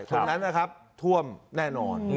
ตรงนั้นนะครับท่วมแน่นอน